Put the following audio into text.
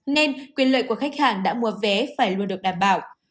nên quyền lợi của khách hàng đã mua vé phải luôn được đảm bảo